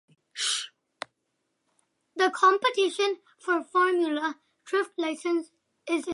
The competition for Formula Drift licenses is intense.